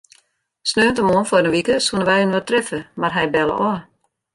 Sneontemoarn foar in wike soene wy inoar treffe, mar hy belle ôf.